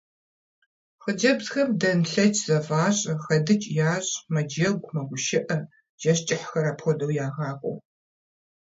Хъыджэбзхэм дэнлъэч зэфӀащӀэ, хэдыкӀ ящӀ, мэджэгу, мэгушыӀэ, жэщ кӀыхьхэр апхуэдэу ягъакӀуэу.